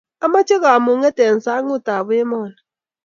ameche kamung'et eng' sang'utab emoni.